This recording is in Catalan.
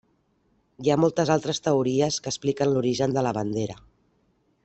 Hi ha moltes altres teories que expliquen l'origen de la bandera.